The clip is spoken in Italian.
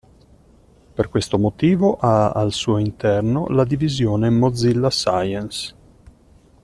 Per questo motivo ha al suo interno la divisione Mozilla Science.